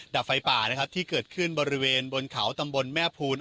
ดับไฟป่านะครับที่เกิดขึ้นบริเวณบนเขาตำบลแม่ภูล